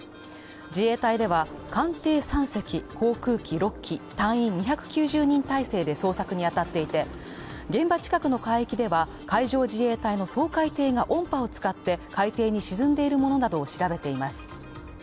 自衛隊では艦艇３隻航空機６機隊員２９０人態勢で捜索にあたっていて、現場近くの海域では海上自衛隊の掃海艇が音波を使って海底に沈んでいるものなどを調べています。